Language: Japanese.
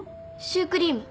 シュークリーム